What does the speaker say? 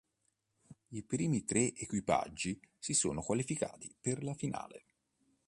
I primi tre equipaggi si sono qualificati per la finale.